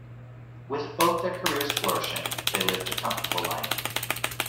With both their careers flourishing they lived a comfortable life.